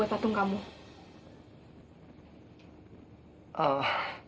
ya siapa yang membuatnya